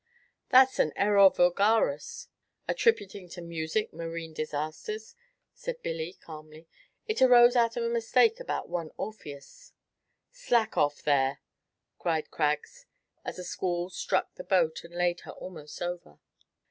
"That's an error vulgaris, attributing to music marine disasters," said Billy, calmly; "it arose out of a mistake about one Orpheus." "Slack off there!" cried Craggs, as a squall struck the boat, and laid her almost over.